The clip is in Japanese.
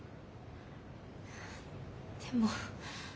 でも。